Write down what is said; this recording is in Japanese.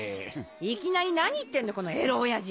いきなり何言ってんのこのエロ親父！